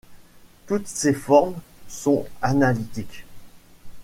Toutes ces formes sont analytiques.